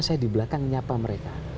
saya di belakang nyapa mereka